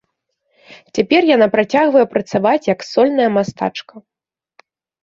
Цяпер яна працягвае працаваць як сольная мастачка.